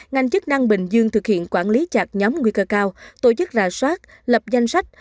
ngành chức năng bình dương thực hiện quản lý chặt nhóm nguy cơ cao tổ chức rà soát lập danh sách